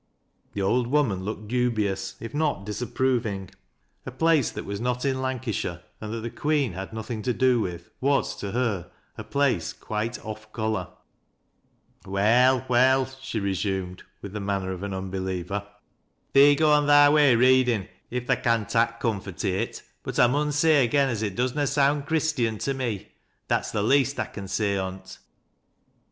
The old woman looked dubious, if not disapproving t place that was net in Lancashire, and that the Queer hal nothing to do with, was, to her, a place quite "ofl color." " Well I well 1 " she resumed, with the manner of ac nubelisver, " thee go on thy way readin' if tha cm tRy SAMMY URADDOOK'S '■ MANN7 EirSIS." 181 comfort i' it. But I mun say again as it does na sound Christian to me. That's the least Ian say on't."